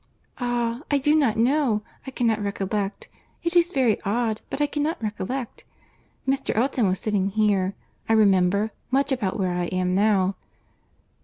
"Ah! I do not know. I cannot recollect.—It is very odd, but I cannot recollect.—Mr. Elton was sitting here, I remember, much about where I am now."